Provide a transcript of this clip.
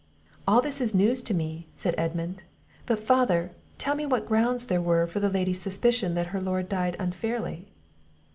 "All this is news to me," said Edmund; "but, father, tell me what grounds there were for the lady's suspicion that her lord died unfairly?"